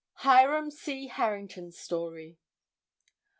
Hiram C. Harrington's Story.